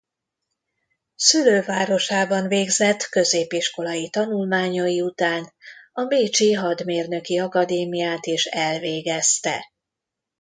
Szülővárosában végzett középiskolai tanulmányai után a bécsi hadmérnöki akadémiát is elvégezte.